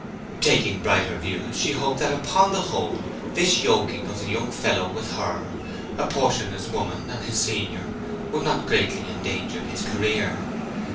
Taking brighter views, she hoped that upon the whole this yoking of the young fellow with her, a portionless woman and his senior, would not greatly endanger his career.